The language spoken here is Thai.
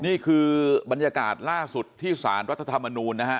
นี่คือบรรยากาศล่าสุดที่สารรัฐธรรมนูลนะฮะ